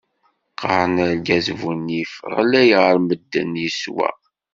Qaren argaz bu nnif, ɣlay ɣer medden, yeswa.